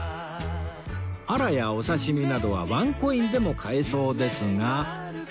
アラやお刺し身などはワンコインでも買えそうですが